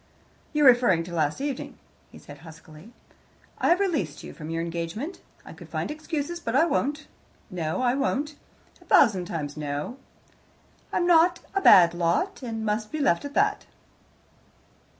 "You're referring to last evening," he said huskily. "I have released you from your engagement. I could find excuses, but I won't. No, I won't. A thousand times no. I'm a bad lot, and must be left at that."